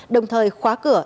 đồng thời khóa cửa